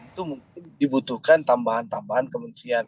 itu mungkin dibutuhkan tambahan tambahan kementerian